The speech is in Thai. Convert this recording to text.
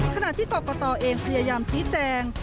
ขณะที่กรกตเองพยายามชี้แจง